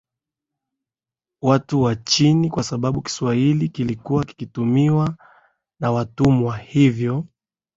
watu wa chini kwa sababu Kiswahili kilikuwa kikitumiwa na watumwa hivyo